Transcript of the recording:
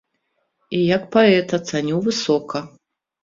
І як паэта цаню высока.